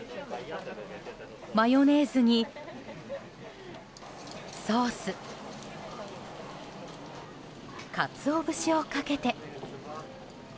マヨネーズにソースカツオ節をかけて。